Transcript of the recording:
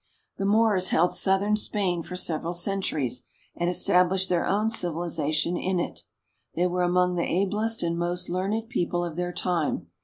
The Moors held south ern Spain for several centuries, and estab lished their own civiliza tion in it. They were among the ablest and most learned people of their time.